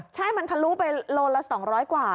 ใช่มันทะลุไปโลละ๒๐๐กว่า